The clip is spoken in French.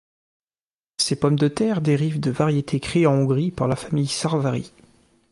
Ces pommes de terre dérivent de variétés créées en Hongrie par la famille Sárvári.